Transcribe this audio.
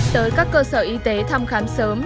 tới các cơ sở y tế thăm khám sớm